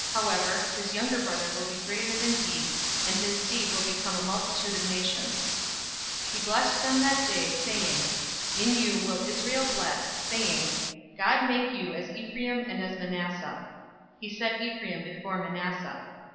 However, his younger brother will be greater than he, and his seed will become a multitude of nations." 048:020 He blessed them that day, saying, "In you will Israel bless, saying, 'God make you as Ephraim and as Manasseh'" He set Ephraim before Manasseh.